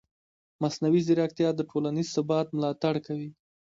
مصنوعي ځیرکتیا د ټولنیز ثبات ملاتړ کوي.